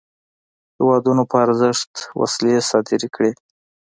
هیوادونو په ارزښت وسلې صادري کړې.